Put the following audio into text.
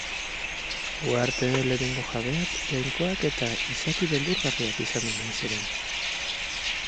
Uharteen lehenengo jabeak jainkoak eta izaki beldurgarriak izan omen ziren.